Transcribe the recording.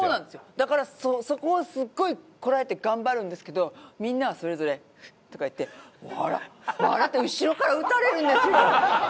だからそこをすっごいこらえて頑張るんですけどみんなはそれぞれフッとか言って笑って後ろから撃たれるんですよ！